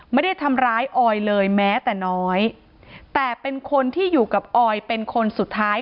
ไม่ได้ทำร้ายออยเลยแม้แต่น้อยแต่เป็นคนที่อยู่กับออยเป็นคนสุดท้าย